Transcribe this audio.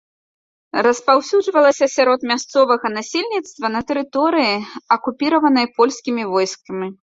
Распаўсюджвалася сярод мясцовага насельніцтва на тэрыторыі, акупіраванай польскімі войскамі.